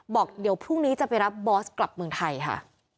บอกเดี๋ยวพรุ่งนี้จะไปรับบอสกลับเมืองไทยค่ะ